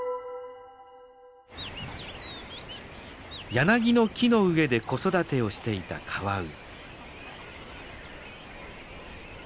ヤナギの木の上で子育てをしていたカワウ。